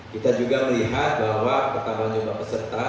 kita juga melihat bahwa pertambahan jumlah peserta